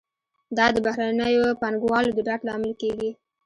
دا د بهرنیو پانګوالو د ډاډ لامل کیږي.